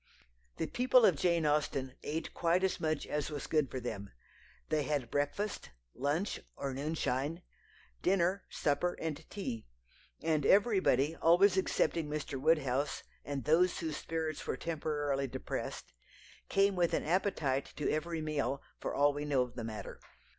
The people of Jane Austen ate quite as much as was good for them. They had breakfast, lunch or noonshine dinner, supper, and tea, and everybody always excepting Mr. Woodhouse and those whose spirits were temporarily depressed came with an appetite to every meal, for all we know of the matter.